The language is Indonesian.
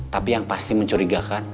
tapi yang pasti mencurigakan